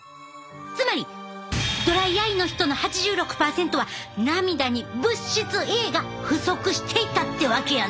つまりドライアイの人の８６％は涙に物質Ａが不足していたってわけやな。